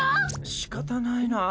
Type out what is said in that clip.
しかたないなぁ。